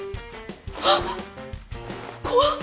はっ怖っ。